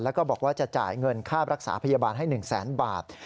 แล้วก็บอกว่าจะจ่ายเงินค่ารักษาพยาบาลให้๑แสนบาท